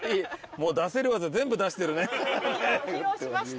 もう出せる技全部出してるね披露しました